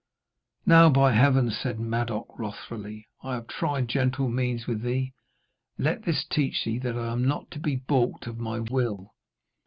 'Now, by Heaven!' said Madoc wrathfully, 'I have tried gentle means with thee. Let this teach thee that I am not to be baulked of my will.'